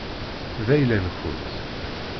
D ayla-nkent.